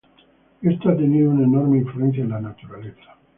Esto ha tenido una enorme influencia en la naturaleza.